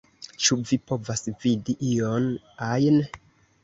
Ĉu vi povas vidi ion ajn?